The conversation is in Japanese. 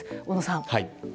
小野さん。